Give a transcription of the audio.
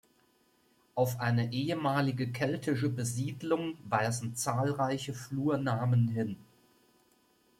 Auf eine ehemalige keltische Besiedlung weisen zahlreiche Flurnamen hin.